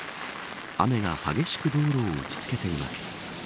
雨が激しく道路を打ち付けています。